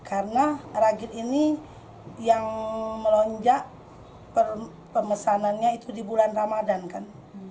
karena ragit ini yang melonjak pemesanannya itu di bulan ramadhan kan